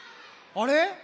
あれ？